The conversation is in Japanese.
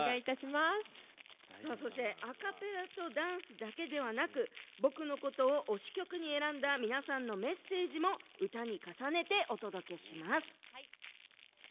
そしてアカペラとダンスだけではなく僕のことを推し曲に選んだ皆さんのメッセージも歌に重ねてお届けします。